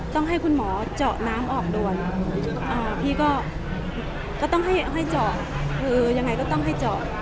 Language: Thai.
ต้องให้คุณหมอเจาะน้ำออกด่วนพี่ก็ต้องให้เจาะคือยังไงก็ต้องให้จอด